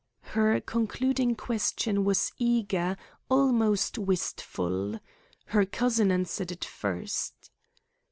Her concluding question was eager, almost wistful. Her cousin answered it first.